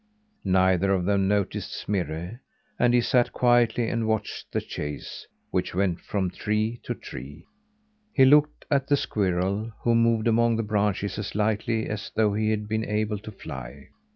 Neither of them noticed Smirre; and he sat quietly and watched the chase, which went from tree to tree. He looked at the squirrel, who moved among the branches as lightly as though he'd been able to fly.